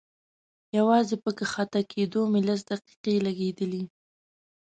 يوازې په کښته کېدو مې لس دقيقې لګېدلې.